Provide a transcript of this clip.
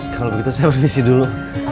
kalau begitu saya permisi dulu